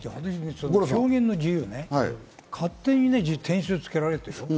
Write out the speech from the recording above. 表現の自由ね、勝手に点数付けられてるんでしょう？